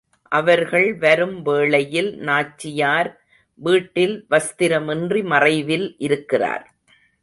அவர்கள் வரும் வேளையில் நாச்சியார், வீட்டில் வஸ்திரமின்றி மறைவில் இருக்கிறார்.